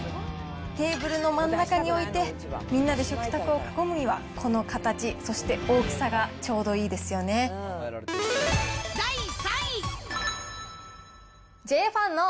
テーブルの真ん中に置いて、みんなで食卓を囲むにはこの形、そして大きさがちょうどいいです第３位。